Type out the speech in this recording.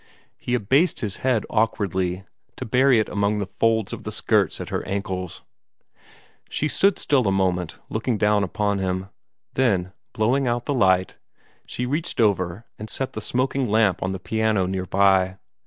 He abased his head awkwardly, to bury it among the folds of the skirts at her ankles. She stood still for a moment, looking down upon him. Then, blowing out the light, she reached over and set the smoking lamp on the piano near by.